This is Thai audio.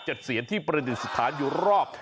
เสียนที่ประดิษฐานอยู่รอบ